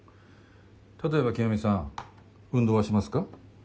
例えば清美さん運動はしますか？